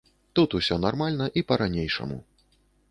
Тут усё нармальна і па-ранейшаму.